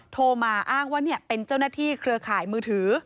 โทรมาอ้างว่าเป็นเจ้าหน้าที่เครือข่ายมือถือ